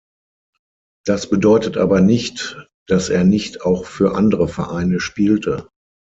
Das bedeutet aber nicht, dass er nicht auch für andere Vereine spielte.